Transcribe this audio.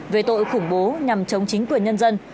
về tội khủng bố nhằm chống chính quyền nhân dân